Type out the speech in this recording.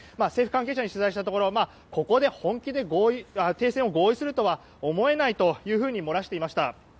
政府関係者に取材したところここで本気で停戦を合意するとはとても思えないと漏らしていました。